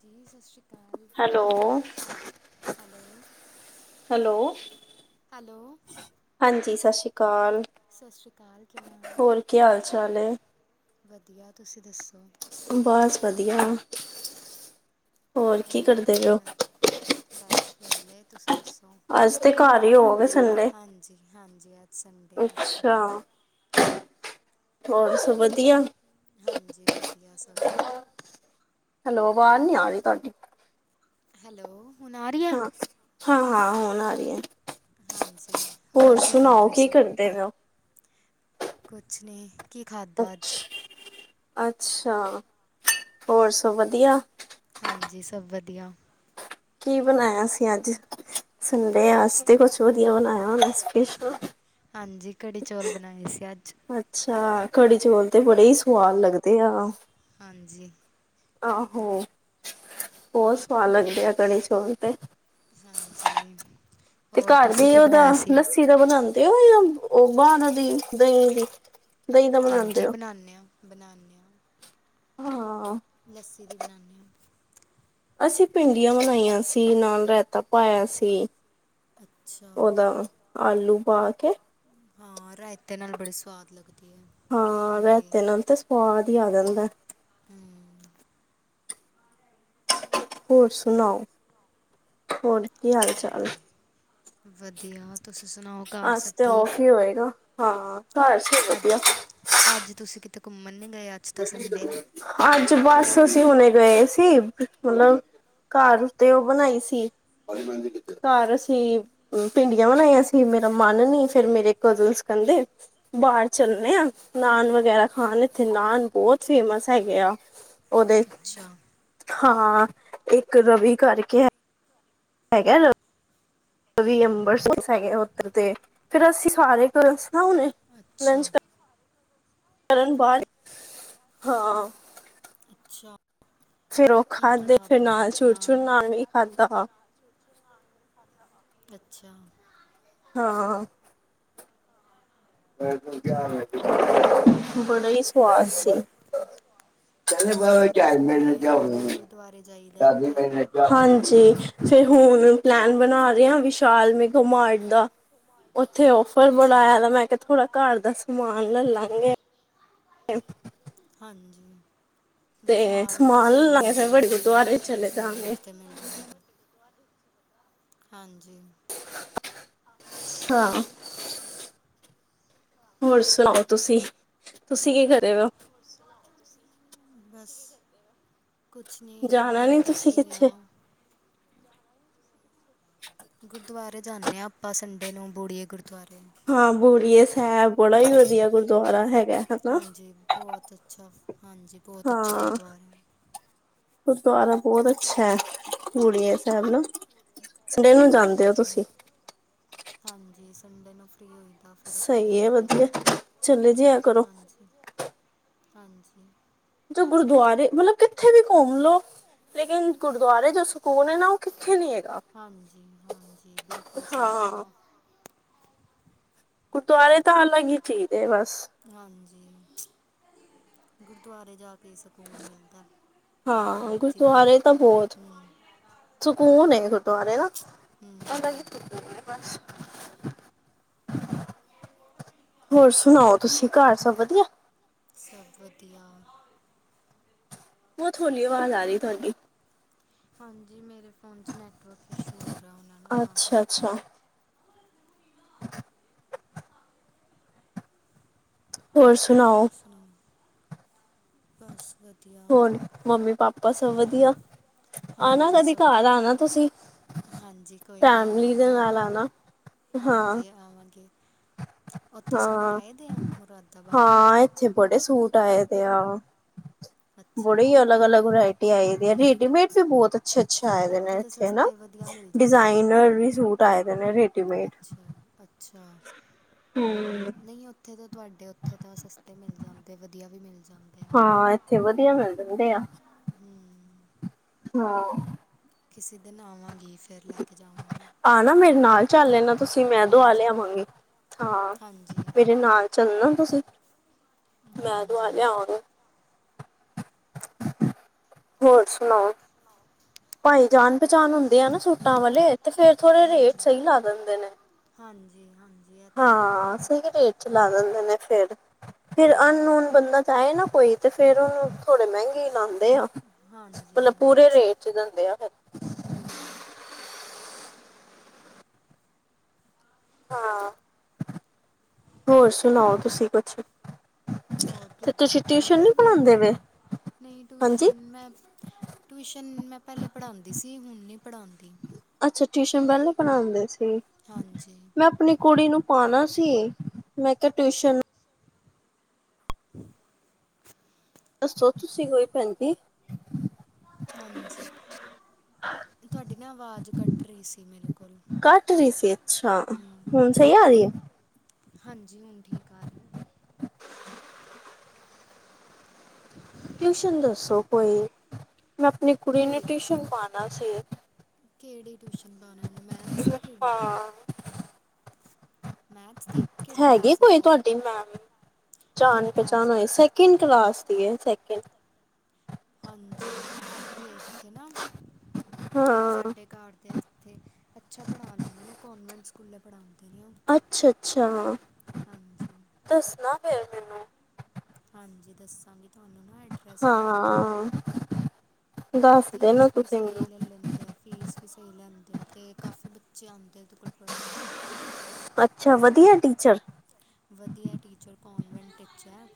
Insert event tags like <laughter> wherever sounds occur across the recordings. ਜੀ ਸਤਿ ਸ਼੍ਰੀ ਅਕਾਲ। ਹੈਲੋ ਹੈਲੋ ਹੈਲੋ ਹੈਲੋ ਹਾਂਜੀ, ਸਤਿ ਸ਼੍ਰੀ ਅਕਾਲ, ਸਤਿ ਸ਼੍ਰੀ ਅਕਾਲ ਕਿਵੇਂ ਹੋ ਹੋਰ ਕੀ ਹਾਲ ਚਾਲ ਹੈ? ਵਧੀਆ ਤੁਸੀਂ ਦੱਸੋ? ਬਸ ਵਧੀਆ। ਹੋਰ ਕਰਦੇ ਪਏ ਕੀ ਹੋ ਕਰ ਰਹੇ, ਬਸ ਵਹਲੇ ਤੁਸੀਂ ਦੱਸੋ? ਅੱਜ ਤੇ ਘਰ ਹੀ ਹੋਵੋਗੇ ਸੰਡੇ। ਹਾਂਜੀ-ਹਾਂਜੀ, ਅੱ ਅੱਛਾ ਹੋਰ ਸਭ ਵਧੀਆ? ਹਾਂਜੀ ਵਧੀਆ ਸਭ। ਹੈਲੋ, ਆਵਾਜ਼ ਨੀ ਆ ਰਹੀ ਤੁਹਾਡੀ। ਹੈਲੋ ਹੁਣ ਆ ਰਹੀ ਆ ਹਾਂ-ਹਾਂ-ਹਾਂ ਹੋਣ ਆਈ ਹੈ। ਹਾਂਜੀ, ਹੋਰ ਕੀ ਕਰ ਸੁਣਾਓ ਰਹੇ ਕੀ ਸੀ। ਕਰਦੇ ਪਏ ਹੋ ਕੁਛ ਨਹੀਂ। ਕੀ ਖਾਧਾ ਅੱਜ ਅੱਛਾ-ਅੱਛਾ, ਹੋਰ ਸਭ ਵਧੀਆ? ਹਾਂਜੀ ਸਭ ਵਧੀਆ। ਕੀ ਬਣਾਇਆ ਸੀ ਅੱਜ, ਸੰਡੇ ਵਾਸਤੇ ਕੁਛ ਵਧੀਆ ਬਣਾਇਆ ਹੋਣਾ ਸਪੈਸ਼ਲ। ਹਾਂਜੀ, ਕੜੀ ਚੌਲ ਬਣਾਏ ਸੀ ਅੱਜ। ਅੱਛਾ, ਕੜੀ- ਚੌਲ ਤੇ ਬੜੇ ਹੀ ਸਵਾਦ ਲੱਗਦੇ ਆ। ਹਾਂਜੀ। ਆਹੋ ਬਹੁਤ ਸਵਾਦ ਲੱਗਦੇ ਆ ਕੜੀ- ਚੋਲ ਤੇ। ਹਾਂਜੀ, ਤੇ ਹੋਰ ਘਰ ਤੁਸੀਂ ਦੀ ਕੀ ਉਹਦਾ ਬਣਾਇਆ ਸੀ? ਲੱਸੀ ਦਾ <unintelligible> ਬਣਾਉਂਦੇ ਹੋ ਜਾਂ ਉਹ ਬਾਣ ਦੀ ਦਹੀਂ ਦੀ ਦਹੀਂ ਦਾ ਹਾਂਜੀ ਹੋ? ਬਣਾਉਂਦੇ ਹਾਂ, ਬਣਾਉਂਦੇ ਹਾਂ। ਹਾਂ ਲੱਸੀ ਦੀ ਬਣਾਦੇ ਹਾਂ। ਅਸੀਂ ਭਿੰਡੀਆਂ ਬਨਾਈਆਂ ਸੀ, ਨਾਲ ਰਾਇਤਾ। ਪਾਇਆ ਸੀ ਅੱਛਾ ਉਹਦਾ ਆਲੂ ਪਾ ਕੇ ਹਾਂ, ਰਾਇਤੇ ਨਾਲ ਬੜੀ ਸਵਾਦ ਲੱਗਦੀ ਹੈ। ਹਾਂ ਭਿੰਡੀ ਰੈਤੇ ਨਾਲ ਤੇ ਸਵਾਦ ਹੀ ਆ ਜਾਂਦਾ ਹੈ। ਹੂੰ। ਹੋਰ ਸੁਣਾਓ? ਹੋਰ ਕੀ ਹਾਲ ਚਾਲ? ਵਧੀਆ ਜੀ ਵਧੀਆ। ਤੁਸੀ ਸੁਣਾਓ ਘਰ ਅੱਜ ਸਭ ਤੇ ਔਫ ਠੀਕ। ਹੀ ਹੋਏਗਾ ਹਾਂ ਘਰ ਸਭ ਵਧੀਆ। ਅਛਾ। ਅੱਜ ਤੁਸੀ ਕਿਤੇ ਘੁੰਮਣ ਨੀ ਗਏ? ਅੱਜ ਤਾਂ ਸੰਡੇ ਐ। ਅੱਜ ਬਸ ਅਸੀਂ ਹੁਣੇ ਗਏ ਸੀ ਮਤਲਬ <unintelligible> ਘਰ ਉਤੇ ਉਹ ਬਣਾਈ ਸੀ। ਘਰ ਅਸੀਂ ਭਿੰਡੀਆਂ ਬਣਾਈਆਂ ਸੀ ਮੇਰਾ ਮਨ ਨੀ ਫੇਰ ਮੇਰੇ ਕਜ਼ਨਸ ਕਹਿੰਦੇ ਬਾਹਰ ਚਲਨੇ ਆ ਨਾਨ ਵਗੈਰਾ ਖਾਣ ਇੱਥੇ ਨਾਨ ਬਹੁਤ ਫੇਮਸ ਹੈਗੇ ਆ ਔਦੇ। ਅੱਛਾ ਹਾਂ, ਇੱਕ ਰਵੀ ਕਰਕੇ ਹੈ। ਹੈਗਾ। ਕਵੀ ਅੰਬਰ ਸਿੰਘ ਹੈਗੇ ਉੱਧਰ ਤੇ ਫੇਰ ਅਸੀਂ ਸਾਰੇ ਕੁ ਸੁਣਾਣੇ <unintelligible> ਅੱਛਾ। ਕਰਨ ਬਾਰ ਹਾਂ। ਅੱਛਾ ਫਿਰ ਉਹ ਕੀ-ਕੀ ਖਾਧੇ ਫਿਰ ਖਾਦਾ ਨਾਲ ਫੇਰ ਚੂਰ ਚੂਰ ਨਾਂਨ। ਨਾਨ ਵੀ ਖਾਧਾ ਅੱਛਾ। ਹਾਂ। ਬੜਾ ਈ ਸਵਾਦ ਸੀ। ਚ ਬ ਚਜ ਮਹੀਨੇ ਜਾ <unintelligible> ਦਵਾਰੇ ਜਾਈ ਦੀ ਮਹੀਨੇ <unintelligible> ਹਾਂਜੀ, ਫੇਰ ਹੁਣ ਪਲੈਨ ਬਣਾ ਰਹੇ ਆਂ ਵਿਸ਼ਾਲ ਮੈਂਘਾਮਾਰਟ ਦਾ। ਉੱਥੇ ਔਫਰ ਅੱਛਾ ਬਲਾਇਆ, ਦਾ ਮੈਂ ਕਿਹਾ ਥੋੜਾ ਘਰ ਦਾ ਸਮਾਨ ਲ ਲਾਂਗੇ। ਹਾਂਜੀ। ਤੇ ਵਿਸ਼ਾਲ ਤਾਂ ਸਮਾਨ ਸਈ ਲੈ ਲਾਂਗੇ ਮਿਲ ਫਿਰ ਵੱਡੇ ਜਾਂਦਾ, ਰੇਟ ਗੁਰਦੁਆਰੇ 'ਤੇ ਵੀ ਚਲੇ ਸਈ ਜਾਗੇ ਰੇਟ 'ਤੇ ਮਿਲ ਜਾਂਦਾ। ਹਾਂਜੀ। ਹਾਂ। ਹੋਰ ਸੁਣਾਓ ਤੁਸੀ, ਤੁਸੀ ਕੀ ਕਰ ਰੇ ਔ? ਸੁਣਾਓ ਤੁਸੀ, ਬਸ। ਕੁਛ ਨਹੀਂ ਹੁਣ ਜਾਣਾ ਹਲੇ ਨੀ ਤਾਂ ਤੁਸੀਂ ਫਰੀ ਆ। ਕਿੱਥੇ? ਗੁਰਦੁਆਰੇ ਜਾਨੇ ਆ, ਆਪਾਂ ਸੰਡੇ ਨੂੰ ਬੁੜੀਏ ਗੁਰਦੁਆਰੇ। ਹਾਂ ਬੂੜੀਏ ਸਹਿਬ ਬੜਾ ਹੀ ਵਧੀਆ ਗੁਰਦੁਆਰਾ ਹੈਗਾ। ਹਨਾ ਹਾਂਜੀ ਬਹੁਤ ਅੱਛਾ, ਹਾਂਜੀ। ਬਹੁਤ ਅੱਛਾ ਹਾਂ ਗੁਰਦੁਆਰਾ ਗੁਰੂਦੁਆਰਾ ਬਹੁਤ ਅੱਛਾ ਬੂੜੀਐ ਸੈਬ ਨਾ ਸੰਡੇ ਨੂੰ ਜਾਂਦੇ ਹੋ ਤੁਸੀਂ ਹਾਂਜੀ-ਹਾਂਜੀ ਸੰਡੇ ਨੂੰ ਫ੍ਰੀ ਹੋਈ। ਸਹੀ ਹੈ, ਵਧੀਐ ਚੱਲੇ ਜਾਈਆ ਕਰੋ। <unintelligible> ਹਾਂਜੀ। ਜੋ ਗੁਰਦੁਆਰੇ ਮਤਲਬ ਕਿੱਥੇ ਵੀ ਘੁੰਮ ਲੋੋ, ਲੇਕਿਨ ਗੁਰਦੁਆਰੇ ਜੋ ਸਕੂ ਸਕੂਨ ਹੈ ਨਾ, ਉਹ ਕਿੱਥੇ ਨੀ ਹੈਗਾ, ਹਾਂਜੀ ਹਾਂਜੀ ਬਿਲਕੁਲ ਸਹੀ ਹਾਂ। ਕਿਹਾ ਗੁਰਦੁਆਰੇ ਤਾਂ ਅਲੱਗ ਹੀ ਚੀਜ਼ ਏ ਬਸ। ਹਾਂਜੀ ਗੁਰਦੁਆਰੇ ਜਾ ਕੇ ਕੀ ਸਕੂਨ ਮਿਲਦਾ, ਜਿੱਥੇ ਹਾਂ ਮਰਜੀ ਘੁੰਮ ਗੁਰਦੁਆਰੇ ਤਾਂ ਬਹੁਤ ਲੌ ਸਕੂਨ ਖੁਟਆਰੇ ਦਾ ਹੂੰ <unintelligible> ਹੋਰ ਸੁਣਾਓ ਤੁਸੀ ਘਰ ਸਭ ਵਧੀਐ? ਸਭ ਵਧੀਆ। ਬਹੁਤ ਹੌਲੀ ਆਵਾਜ਼ ਆ ਰਹੀ ਤੁਆਡੀ। ਹਾਂਜੀ ਮੇਰੇ ਫ਼ੋਨ 'ਚ ਨੈੱਟਵਰਕ ਇਸ਼ੂ ਹੋ ਰਿਹਾ, ਹੋਣਾ ਨਾ ਤਾਂ ਅੱਛਾ ਕਰਕੇ। ਅੱਛਾ <unintelligible> ਹੋਰ ਸੁਣਾਓ? ਹੂੰ, ਹੋਰ ਮੰਮੀ ਪਾਪਾ ਸਭ ਵਧੀਆ? ਆਣਾ ਹਾਂਜੀ ਕਦੀ ਸਭ ਘਰ ਆਂਣਾ ਤੁਸੀਂ। ਹਾਂਜੀ, ਕੋਈ ਨੀ ਫੈਮਲੀ ਦੇ ਆਵਾਂਗੇ। ਨਾਲ ਆਣਾ ਹਾਂ ਹਾਂਜੀ ਆਵਾਂਗੇ, ਉੱਥੇ ਸੂਟ ਆਏ ਦੇ ਆ ਮੁਰਾਦਾਬਾਦ। ਉੱਥੇ ਬੜੇ ਸੂਟ ਆਏ ਦੇ ਆ, ਬੜੇ ਅੱਛਾ ਈ ਅਲੱਗ-ਅਲੱਗ ਵਰਾਇਟ ਆਏ ਦੇ ਆ ਰੇਡੀਮੇਡ ਵੀ ਬੋਤ ਅੱਛਾ-ਅੱਛਾ ਆਏ ਦੇ ਨੇ ਤਾਂ ਇੱਥੇ ਹਨਾ, ਸਸਤੇ ਵਧੀਆ ਮਿਲ ਜਾਂਦੇ ਆ ਨਾ ਡਿਜ਼ਾਇਨਰ ਵੀ ਸੂਟ ਆਏ ਦੇ ਨੇ ਰੇਡੀਮੇਡ। ਅੱਛਾ ਅੱਛਾ। ਹਮ ਨਈ ਉੱਥੇ ਤਾ ਤੁਹਾਡੇ ਉੱਥੇ ਤਾ ਸਸਤੇ ਮਿਲ ਜਾਂਦੇ ਵਧੀਆ ਵੀ ਮਿਲ ਜਾਂਦ ਹਾਂ ਇੱਥੇ ਵਧੀਆ ਮਿਲ ਜਾਂਦੇ ਆ। ਹਮ ਹਾਂ। ਕਿਸੀ ਦਿਨ ਆਵਾਂਗੀ ਫ ਆਨਾ ਮੇਰੇ ਨਾਲ ਚੱਲ ਲੈਣਾ ਤੁਸੀ ਮੈਂ ਦੁਆ ਹਾਂਜੀ ਲਿਆਵਾਂਗੀ। ਹਾਂ ਹਾਂਜੀ ਮੇਰੇ ਨਾਲ ਚੱਲਣਾ ਤੁਸੀਂ, ਮੈਂ ਦੁਆ ਹਾਂਜੀ ਲਿਆਵਗ ਹੋਰ ਸੁਣਾਓ? ਭਾਈ ਜਾਣ ਪਚਾਣ ਹੁੰਦੇ ਆ ਨਾ ਸੂਟਾ ਵਾਲੇ ਤੇ ਫੇਰ ਥੋੜੇ ਰੇਟ ਹਾਂਜੀ ਸਈ ਲਾ ਦਿੰਦੇ ਨੇ। ਹਾਂਜੀ ਹਾਂਜ ਹਾਂ ਸਈ ਰੇਟ ਚ ਲਾ ਦਿੰਦੇ ਨੇ ਫਿਰ, ਫਿਰ ਹਾਂਜੀ ਅਨਨੋਨ ਬੰਦਾ ਆਏ ਨਾ ਕੋਈ ਤੇ ਫ਼ੇਰ ਥੋੜੇ ਮਹਿੰਗੇ ਈ ਲਾਂਦੇ ਆ। ਹਾਂਜੀ ਮਲਬ ਪੂਰੇ ਰੇਟ ਚ ਦਿੰਦੇ ਆ ਫੇਰ। ਹੂੰ ਹਾਂ, ਹੋਰ ਸੁਣਾਓ ਤੁਸੀ ਕੁਛ? ਹੋਰ ਤੇ ਕਿੱਦਾਂ ਤੁਸੀਂ ਟਿਊਸ਼ਨ ਨੀ ਪ੍ਰਿੰਟਡ ਵੀ ਐ, ਪੜ੍ਹਾਉਂਦੇ ਵੇ? ਨਈ ਹਾਂਜੀ। ਟਿਊਸ਼ਨ ਮੈਂ ਟਿਊਸ਼ਨ ਮੈਂ ਪਹਿਲੇ ਪੜ੍ਹਾਂਦੀ ਸੀ ਹੁਣ ਨੀ ਪੜ੍ਹਾਂ ਅੱਛਾ ਟਿਊਸ਼ਨ ਪਹਿਲੇ ਪੜ੍ਹਾਂਦੇ ਸੀ, ਹਾਂਜੀ ਮੈਂ ਆਪਣੀ ਕੁੜੀ ਨੂੰ ਪਾਣਾ ਸੀ ਮੈਂ ਕਿਆ ਟਿਊਸ਼ਨ <inaudible> ਦੱਸੋ ਤੁਸੀ ਕੋਈ ਭੈਣ ਦੀ? ਹਾਂਜੀ। ਤੁਹਾਡੀ ਨਾ ਆਵਾਜ਼ ਕੱਟ ਰਈ ਸੀ ਮੇਰੇ ਕੋਲ। ਟ ਰੀ ਸੀ ਅੱਛਾ ਹਮ ਹੁਣ ਸਈ ਆ ਰੀ ਐ? ਹਾਂਜੀ ਹੁਣ ਠੀਕ ਆ ਰੀ ਆ। <inaudible> ਟਿਊਸ਼ਨ ਦੱਸੋ ਕੋਈ ਮੈਂ ਆਪਣੀ ਕੁੜੀ ਨੂੰ ਕਿਹੜੀ ਟਿਊਸ਼ਨ ਪਾਨਾ ਸੀ। ਕਿਹੜੀ ਟਿਊਸ਼ਨ ਪਾਨਾ ਇਹਨੂੰ ਮੈਥਸ ਦੀ ਕਿਹੜੀ? ਹਾਂ ਮੈਥਸ ਦੀ ਕਿਹੜੀ ਹੈਗੀ ਕਲਾਸ ਵਿੱਚ ਕੋਈ ਹੈ ਤੁਹਾਡੀ ਮੈਮ? ਜਾਣ ਕਿਹੜੀ ਪਹਿਚਾਣ ਕਲਾਸ ਹੋਈ ਵਿੱਚ ਸੈਕਿੰਡ ਕਲਾਸ ਦੀ ਏ ਸੈਕਿੰਡ। ਹਾਂਜੀ ਹੈਗੀ ਏ ਇੱਥੇ ਨਾ ਹਾਂ ਸਾਡੇ ਘਰ ਦੇ ਇੱਥੇ ਅੱਛਾ ਪੜ੍ਹਾ ਲੈਂਦੇ ਨੇ ਕੋਨਵੈਂਟ ਸਕੂਲੇ ਪੜ੍ਹਾਉਂਦੇ ਨੇ ਓ। ਅੱਛਾ-ਅੱਛਾ, ਦੱਸਣਾ ਫੇਰ ਮੈਨੂੰ। ਹਾਂਜੀ ਦੱਸਾਂਗੀ ਤੁਹਾਨੂੰ ਨਾ ਐਡਰੈਸ ਵਗੈਰਾ। ਹਾ ਫੀਸ ਵੀ ਸਹੀ ਮੈਨੂੰ ਲ ਲੈਂਦੇ ਆ। ਫੀਸ ਵੀ ਸਈ ਲੈਂਦੇ ਆ ਤੇ ਕਾਫੀ ਬੱਚੇ ਆਂਦੇ ਇਹਦੇ ਕੋਲ ਪੜ੍ਹਨ। ਅੱਛਾ ਵਧੀਆ ਟੀਚਰ? ਵਧੀਆ ਟੀਚਰ ਕੋਨਵੈਂਟ ਇਚ ਐ।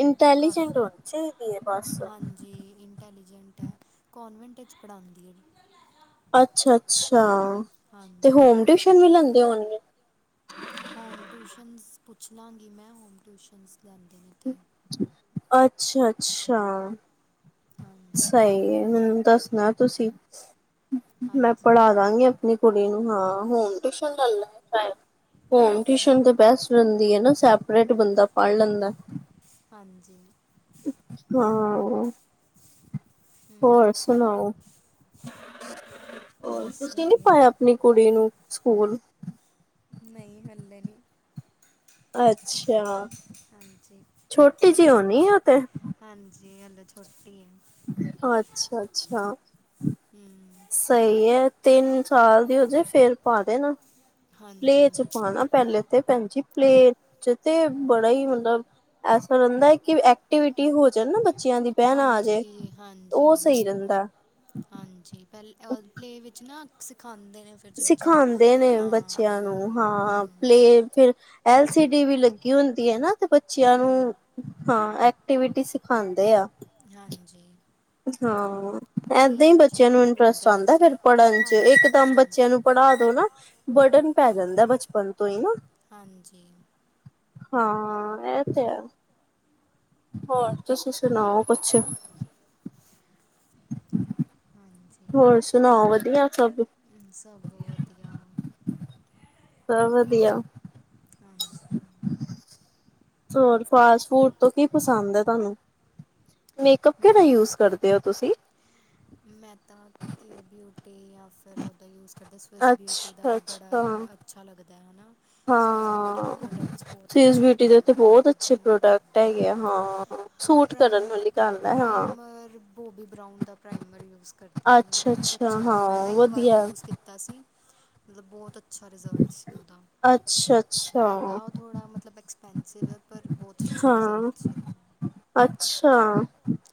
ਇੰਟੈਲੀਜੈਂਟ ਹੋਣੀ ਚਾਈਦੀ ਏ ਬਸ। ਜੀ ਇੰਨਟੈਲੀਜੈਂਟ ਐ ਕੋਨਵੈਂਟ ਚ ਪੜਾਂਦੀ ਏ। ਅੱਛਾ-ਅੱਛਾ ਤੇ ਹੋਮ ਟਿਊਸ਼ਨ ਵੀ ਲੈਂਦੇ ਹੋਣਗੇ? ਹੋਮ ਟਿਊਸ਼ਨਸ ਪੁੱਛ ਲਾਂਗੀ ਮੈਂ ਹੋਮ ਟਿਊਸ਼ਨਸ ਲੈਂਦੇ ਨੇ। ਇੱਥੇ ਅੱਛਾ-ਅੱਛਾ। ਹਾਂਜੀ ਸਹੀ ਏ ਮੈਨੂੰ ਦੱਸਨਾ ਤੁਸੀਂ ਮੈਂ ਹਾਂਜੀ ਪੜ੍ਹਾ ਦਾਗੀ ਅਪ ਨੀ ਕੁੜੀ ਨੂੰ ਹਾਂ ਹੋੁਮ ਟਿਊਸ਼ਨ ਲਲ ਲੇ ਚਾਏ। ਹੋਮ ਟਿਊਸ਼ਨ ਤਾਂ ਹਾਂਜੀ ਬੈਸਟ ਰਹਿੰਦੀ ਏ ਨਾ ਸੈਪਰੇਟ ਬੰਦਾ ਪੜ੍ਹ ਲੈਂਦਾ। ਹਾਂਜੀ। ਹਾਂ, ਹੋਰ ਹੂੰ ਸੁਣਾੳ। ਹੋਰ ਬਸ ਤੁਸੀ ਨੀ ਵਧੀਆ ਪਾਇਆ ਆਪਨੀ ਕੁੜੀ ਨੂੰ ਸਕੂਲ। ਨਈ ਹਲੇ ਨੀ। ਅੱਛਾ। ਹਾਂਜੀ, ਛੋਟੀ ਜਿਹੀ ਹੋਣੀ ਆ ਉਹ ਤੇ ਹਾਂਜੀ ਹਲੇ ਛੋਟੀ ਏ। ਅੱਛਾ-ਅੱਛਾ। ਹੂੰ ਸਹੀ ਏ ਤਿੰਨ ਸਾਲ ਦੀ ਹੋਜੇ ਫੇਰ ਪਾ ਦੇ ਨਾ। ਪਲੇ ਹਾਂਜੀ ਚ ਪਾਣਾ ਪਹਿਲੇ ਤੇ, ਭੈਣਜੀ ਪਲੇ ਚ ਤੇ ਬੜਾ ਹੀ ਮਤਲਬ ਐਸਾ ਹੋਦਾਂ ਕਿ ਐਕਟੀਵਿਟੀ ਹੋ ਜਨ ਬਚ ਬੱਚਿਆਂ ਦੀ ਬੈਨਾ ਆ ਜੇ ਹਾਂਜੀ ਉਹ ਹਾਂਜੀ ਸਹੀ ਰੇਂਦਾ। ਹਾਂਜੀ ਪਹਿਲ ੳ ਪਲੇ ਵਿੱਚ ਨਾ ਸਿਖਾਂਦੇ ਨੇ ਫਿ ਸਿਖਾਂਦੇ ਨੇ ਬੱਚੇਆਂ ਨੂੰ। ਹਾਂ ਹੂੰ ਪਲੇ ਫਿਰ ਐਲ ਸੀ ਡੀ ਵੀ ਲੱਗੀ ਹੁੰਦੀ ਐ ਨਾ। ਬੱਚੇਆਂ ਨੂੰ ਹੂੰ ਹਾਂ ਐਕਟੀਵਿਟੀ ਸਿਖਾਂਦੇ ਆ। ਹਾਂਜੀ। ਹਾਂ ਏਦਾਂ ਪਲੇਅ ਈ ਵਿੱਚ ਬੱਚੇਆਂ ਨੂੰ ਐਕਟਿਵ ਇੰਟਰਸਟ ਹੁੰਦੇ ਆਂਦਾ ਬੱਚੇ ਫਿਰ ਪੜਨ ਚ, ਹਾਂਜੀ ਇੱਕਦਮ ਹਾਂਜੀ ਬੱਚੇਆਂ ਨੂੰ ਪੜ੍ਹਾ ਦੋ ਨਾ, ਬੜਡਨ ਪੈ ਜਾਂਦਾ ਬਚਪਨ ਤੋਂ ਹੀ ਨਾ। ਹਾਂਜੀ। ਹਾਂ ਐ ਤੇ ਹੈ। ਹੋਰ ਤੁਸੀ ਸੁਣਾਓ ਕੁਛ। ਹਾਂਜੀ, ਹੋਰ ਸੁਣਾਓ ਵਧੀਆ ਸਭ ਸਭ ਵਦਿਆ। ਸਭ ਵਦਿਆ। ਹਾਂਜੀ। ਹੋਰ ਫਾਸਟ ਫੂਡ ਤੋਂ ਕੀ ਪਸੰਦ ਐ ਤੁਹਾਨੂੰ? ਮੇਕਅੱਪ ਕੇੜਾ ਮੈਂ ਯੂਜ ਕਰਦੇ ਓ ਤੁਸੀ? ਮੈਂ ਤਾਂ ਇਹ ਬਿਊਟੀ ਯਾ ਫਿਰ ਉਹਦਾ ਯੂਜ ਕਰ ਓਦਾ ਸਵਿਸ ਬਿਊਟੀ ਦਾ ਅੱਛਾ ਵੀ ਬੜਾ ਅੱਛਾ ਅੱਛਾ ਲੱਗਦਾ ਹੈਨਾ। ਹਾਂ, ਸਵਿਸ ਅੱਛੇ ਬਿਊਟੀ ਦੇ ਲੱਗਦੇ ਤੇ ਹਨ ਬੋਤ ਅੱਛੇ ਹਮ ਪ੍ਰੋਡਕਟ ਹੈਗੇ ਆ, ਹਾਂ। ਸੂਟ ਕਰਨ ਪ੍ਰਾਈਮ, ਵਾਲੀ ਗੱਲ ਹੈ ਹਾਂ ਪ੍ਰਾਈਮਰ ਬੋਬੀ ਬਰਾਾਊਨ ਦਾ ਪ੍ਰਾਈਮਰ ਯੂਜ ਕਰ <unintelligible> ਅੱਛਾ ਬੋਤ ਅੱਛਾ ਹਾਂ ਮੈਂ ਨਾ ਇੱਕ ਵਾਰ ਵਧੀਆ ਯੂਜ ਕੀਤਾ ਸੀ, ਮਤਲਬ ਬੋਤ ਅਚ ਅੱਛਾ ਰਿਜ਼ਲਟ ਸੀ ਓਦਾ। ਅੱਛਾ ਅੱਛਾ ਹੈਗਾ ਉਹ ਥੋੜ੍ਹਾ ਮਤਲਬ ਐਕਸਪੈਂਸਿਵ ਪਰ ਬੋਤ ਅੱਛੇ ਹਾਂ ਰਿਜ਼ਲਟਸ ਹੈਗੇ। ਅੱਛਾ।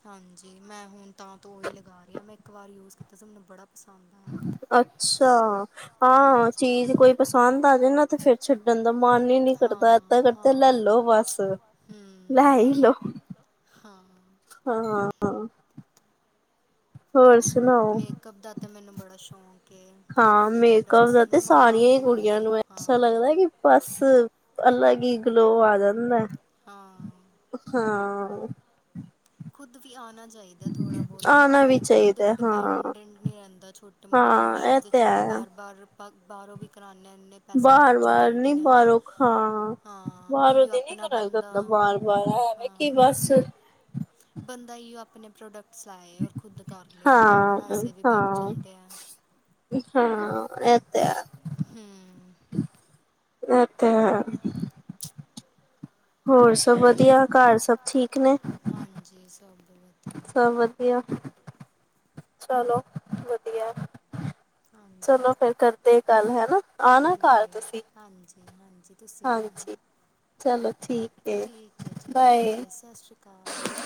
ਹਾਂਜੀ ਮੈਂ ਹੁਨ ਤਾਂ ਤੋਂ ਉਹੀ ਲਗਾ ਹੀ ਆ, ਮੈਂ ਇੱਕ ਵਾਰ ਯੂਜ ਕੀਤਾ ਸੀ ਮੈਨੂੰ ਬੜਾ ਪਸੰਦ ਆਯਾ। ਅੱਛਾ, ਹਾਂ ਚੀਜ਼ ਕੋਈ ਪਸੰਦ ਆ ਜੇ ਨਾ ਤੇ ਫਿਰ ਛੱਡਣ ਦਾ ਮਨ ਈ ਨੀ ਦਾ ਕਰਦਾ, ਮਨ ਹੀ ਏਦਾਂ ਨਹੀਂ ਕਰਦਾ ਲੈ ਹਾਂ ਹਾਂ ਲੋ ਬਸ, ਲੈ ਹੀ ਹੂੰ ਲੋ। ਹਾਂ। ਹਾਂ, ਹੋਰ ਸੁਨਾਓ। ਕਪ ਦਾ ਤੇ ਮੈਨੂੰ ਬੜਾ ਸ਼ੌਂਕ ਕੇ ਹਾਂ ਕਾਫੀ ਮੇਕਅਪ ਪ੍ਰੋਡਕਟਸ ਦਾ ਤੇ ਮੈਂ ਸਾਰੀਆਂ ਹੀ ਮੰਗਵਾਉਂਦੀ ਕੁੜੀਆਂ ਰਹਿੰਦੀ ਨੂੰ ਹਾਂ। ਐਸਾ ਲੱਗਦਾ ਕਿ ਬਸ ਅਲਗ ਈ ਗਲੋ ਆ ਜਾਂ ਹਾਂ। ਓ ਹਾਂ। ਖੁਦ ਵੀ ਆਨਾ ਚਾਹੀ ਦਾ ਥੋੜ੍ਹਾ ਬੋਤ ਨਾ ਆਣਾ ਵੀ ਫਿਰ ਚਾਹੀਦਾ ਹਾਂ ਡਿਪੈਂਡੈਂਟ ਨਹੀਂ ਰਹਿੰਦਾ ਛੋਟੇ-ਮੋਟੇ ਹਾਂ ਫੰਕਸ਼ਨ ਇਹ ਚ ਤੇ ਹੁਨ ਹੈ ਬਾਰ-ਬਾਰ ਬਾਰੋਂ ਵੀ ਕਰਾਨੇ ਹੁੰਨੇ ਪੈਸੇ ਬਾਰ ਖਰਚ ਹੋ ਬਾਰ ਜਾਂਦੇ ਨੀ ਨੇ ਹੈਨਾ, ਬਾਹਰੋਂ ਹਾਂ ਹਾਂ ਬਾਹਰੋਂ ਓਇਓ ਦੀ ਨੀ ਅਪਨਾ ਕਰਾਈ ਬੰਦਾ ਜਾਂਦਾ ਬਾਰ ਬਾਰ ਐਵੇਂ ਹਾਂ। ਕਿ ਬਸ ਬੰਦਾ ਏਈ ਅਪਨੇ ਪ੍ਰੋਡਕਟਸ ਲਾਏ ਔਰ ਖੁਦ ਕਰ ਲਏ ਹਾਂ ਪੈਸੇ ਵੀ ਬਚ ਹਾਂ ਜਾਂਦੇ ਐ। ਹਾਂ ਐ ਤੇ ਹੈ, ਹੂੰ ਐ ਤੇ ਹੈ। ਹੋਰ ਸਭ ਵਧੀਆ, ਘਰ ਸਭ ਠੀਕ ਨੇ, ਹਾਂਜੀ ਸਭ ਵਧੀਆ ਸਭ ਵਧੀਆ। ਚਲੋ ਵਧੀਆ। ਹਾਂਜੀ ਚਲੋ ਫੇਰ ਕਰਦੇ ਗੱਲ ਹੈਨਾ, ਆਨਾ ਠੀਕ ਘਰ ਹੈ ਤੁਸੀਂ। ਹਾਂਜੀ ਹਾਂਜੀ ਤੁਸੀਂ ਵੀ ਆਉਣਾ। ਹਾਂਜੀ ਚਲੋ ਠੀਕ ਏ ਠੀਕ ਹੈ ਜੀ, ਠੀਕ ਬਾਏ ਹੈ ਸਤਿ ਸ਼੍ਰੀ ਅਕਾਲ। ਤਾਂਾਲ